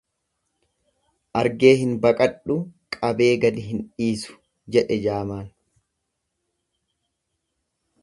Argee hin qabadhu qabee gadi hin dhiisu jedhe jaamaan.